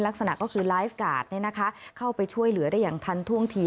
ลักษณะก็คือไลฟ์การ์ดเข้าไปช่วยเหลือได้อย่างทันท่วงที